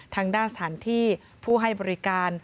ทางด้านสถานที่ผู้ให้บริการ